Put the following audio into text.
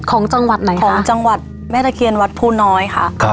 ของจังหวัดไหนคะของจังหวัดแม่ตะเคียนวัดภูน้อยค่ะ